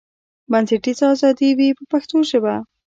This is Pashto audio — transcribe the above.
بنسټیزه ازادي وي په پښتو ژبه.